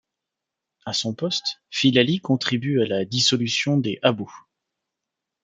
À son poste, Filali contribue à la dissolution des habous.